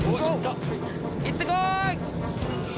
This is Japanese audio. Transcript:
行って来い！